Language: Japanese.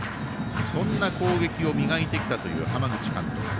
そんな攻撃を磨いてきたという浜口監督。